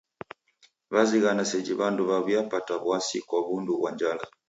Wazighana seji w'andu w'aw'iapata w'asi kwa w'undu ghwa njala.